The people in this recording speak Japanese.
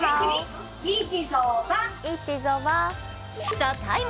「ＴＨＥＴＩＭＥ，」